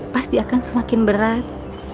pasti akan semakin berat